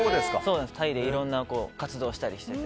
タイでいろいろな活動をしていたりして。